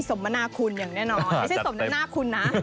สมมนาคุณอย่างแน่นอนไม่ใช่สมน้ำหน้าคุณนะ